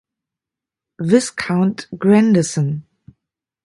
Viscount Grandison.